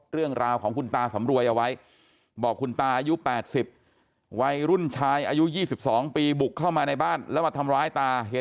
เรื่องราวของคุณตาสำรวยเอาไว้